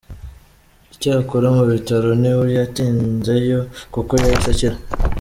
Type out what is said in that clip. Icyakora mu bitaro ntiyatinzeyo kuko yahise akira.